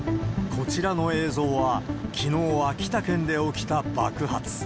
こちらの映像は、きのう、秋田県で起きた爆発。